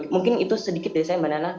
mungkin itu sedikit dari saya mbak nana